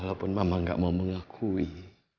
walaupun mama gak mau mengakui